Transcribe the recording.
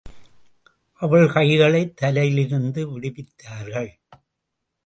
அவள் கைகளை தலையிலிருந்து விடுவித்தார்கள்.